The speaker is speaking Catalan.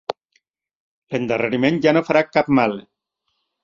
L'endarreriment ja no farà cap mal.